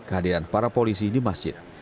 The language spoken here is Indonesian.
kehadiran para polisi di masjid